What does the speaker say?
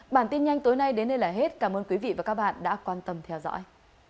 bản tin nhanh tối nay đến đây là hết cảm ơn quý vị và các bạn đã quan tâm theo dõi